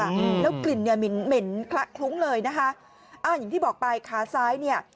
อืมแล้วกลิ่นเนี้ยเหม็นเหม็นคละคลุ้งเลยนะคะอ่าอย่างที่บอกไปขาซ้ายเนี้ย